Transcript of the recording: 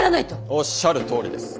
おっしゃるとおりです。